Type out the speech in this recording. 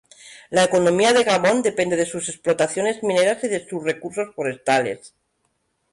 La economía de Gabón depende de sus explotaciones mineras y de sus recursos forestales.